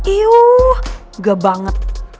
iyuh gak banget